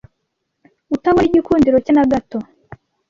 utabona igikundiro cye nagato